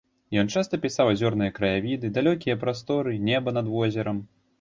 Ён часта пісаў азёрныя краявіды, далёкія прасторы, неба над возерам.